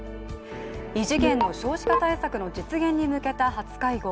異次元の少子化対策の実現に向けた初会合。